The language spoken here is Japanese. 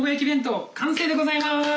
弁当完成でございます！